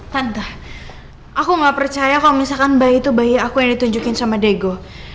tante aku gak percaya kalau misalkan bayi itu bayi aku yang ditunjukin sama daegu